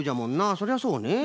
そりゃそうねえ。